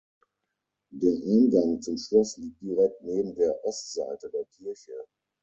Der Eingang zum Schloss liegt direkt neben der Ostseite der Kirche.